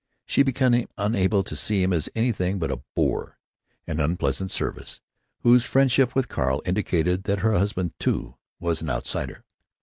She became unable to see him as anything but a boor, an upstart servant, whose friendship with Carl indicated that her husband, too, was an "outsider."